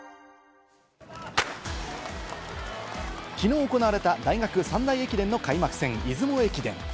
きのう行われた大学３大駅伝の開幕戦、出雲駅伝。